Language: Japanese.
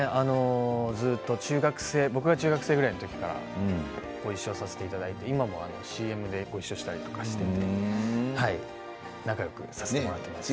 ずっと僕が中学生ぐらいのときからごいっしょさせていただいて今でもＣＭでごいっしょしていたりして仲よくさせてもらっています。